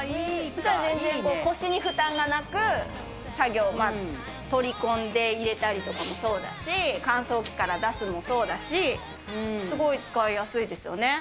腰に負担がなく、作業、取り込んで入れたりとかもそうだし、乾燥機から出すもそうだし、すごい使いやすいですよね。